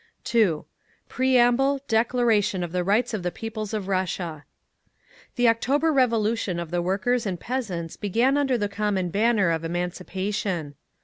2. PREAMBLE—DECLARATION OF THE RIGHTS OF THE PEOPLES OF RUSSIA The October Revolution of the workers and peasants began under the common banner of Emancipation.